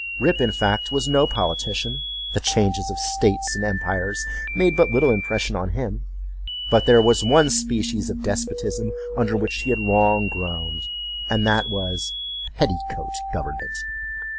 Rip, in fact, was no politician; the changes of states and empires made but little impression on him; but there was one species of despotism under which he had long groaned, and that was—petticoat government.